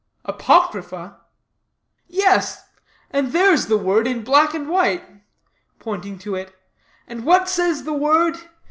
"Apocrypha?" "Yes; and there's the word in black and white," pointing to it. "And what says the word?